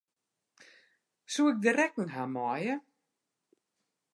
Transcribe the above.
Soe ik de rekken ha meie?